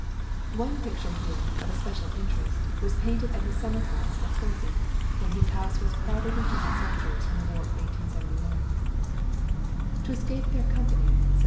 One picture here, of especial interest, was painted at his summer home at Poissy, when his house was crowded with German soldiers in the war of 1871. "To escape their company," says M.